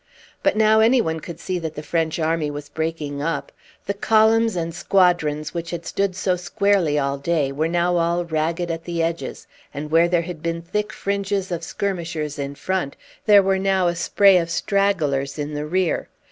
But now anyone could see that the French army was breaking up. The columns and squadrons which had stood so squarely all day were now all ragged at the edges; and where there had been thick fringes of skirmishers in front, there were now a spray of stragglers in the rear.